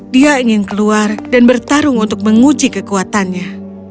dia ingin keluar dan bertarung untuk menguji kekuatannya